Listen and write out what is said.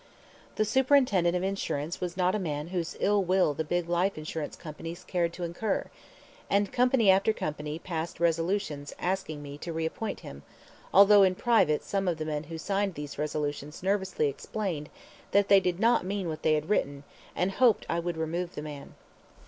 The Superintendent of Insurance was not a man whose ill will the big life insurance companies cared to incur, and company after company passed resolutions asking me to reappoint him, although in private some of the men who signed these resolutions nervously explained that they did not mean what they had written, and hoped I would remove the man.